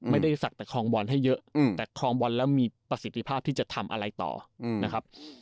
สักแต่คลองบอลให้เยอะแต่คลองบอลแล้วมีประสิทธิภาพที่จะทำอะไรต่อนะครับ